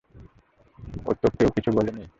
ও তোকেও কিছু বলেনি?